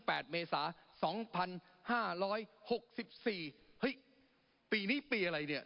เมษาสองพันห้าร้อยหกสิบสี่เฮ้ยปีนี้ปีอะไรเนี่ย